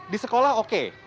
di sekolah oke